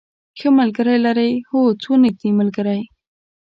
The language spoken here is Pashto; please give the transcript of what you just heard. ښه ملګری لرئ؟ هو، څو نږدې ملګری